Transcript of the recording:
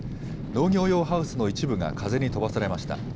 農業用ハウスの一部が風に飛ばされました。